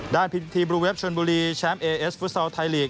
ด้านพิมพ์ทีบรูเวฟเชิญบุรีแชมป์เอเอสฟุตซาวน์ไทยลีก